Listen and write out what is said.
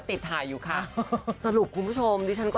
เอ้าถามต่ออีก